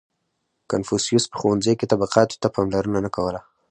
• کنفوسیوس په ښوونځي کې طبقاتو ته پاملرنه نه کوله.